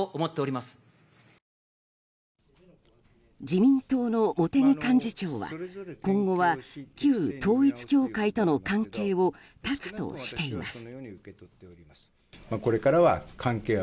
自民党の茂木幹事長は今後は、旧統一教会との関係を断つとしています。